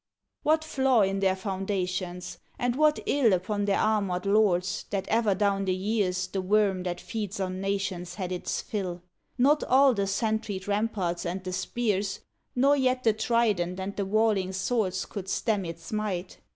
... What flaw in their foundations, and what ill Upon their armored lords, That ever down the years The Worm that feeds on nations had its fill? Not all the sentried ramparts and the spears, Nor yet the trident and the walling swords Could stem its might.